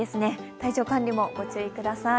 体調管理も御注意ください。